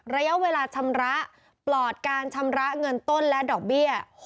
ระยะเวลาชำระปลอดการชำระเงินต้นและดอกเบี้ย